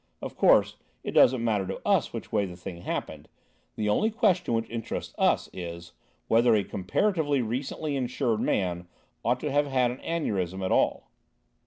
Of course, it doesn't matter to us which way the thing happened; the only question which interests us is, whether a comparatively recently insured man ought to have had an aneurism at all."